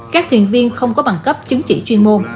các thuyền viên không có bằng cấp chứng chỉ chuyên môn